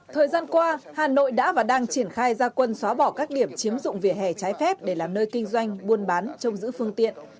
thời gian qua hà nội đã và đang triển khai gia quân xóa bỏ các điểm chiếm dụng vỉa hè trái phép để làm nơi kinh doanh buôn bán trong giữ phương tiện